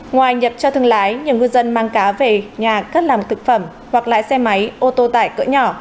ngoài nhập cho thương lái nhiều ngư dân mang cá về nhà cất làm thực phẩm hoặc lại xe máy ô tô tải cỡ nhỏ